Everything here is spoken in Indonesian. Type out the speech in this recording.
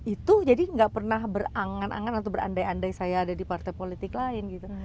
itu jadi nggak pernah berangan angan atau berandai andai saya ada di partai politik lain gitu